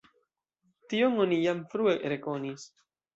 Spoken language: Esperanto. Tion oni jam frue rekonis.